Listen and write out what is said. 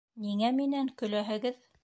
Ниңә минән көләһегеҙ?